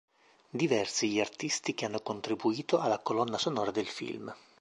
Diversi gli artisti che hanno contribuito alla colonna sonora del film.